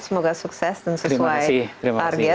semoga sukses dan sesuai target